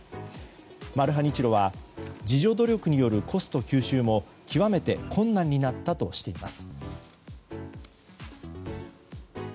マルハニチロは自助努力によるコスト吸収も極めて困難になったとしています。